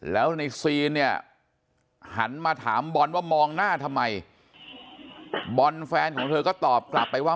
แล้วในซีนเนี่ยหันมาถามบอลว่ามองหน้าทำไมบอลแฟนของเธอก็ตอบกลับไปว่า